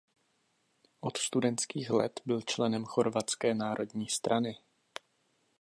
Od studentských let byl členem chorvatské Národní strany.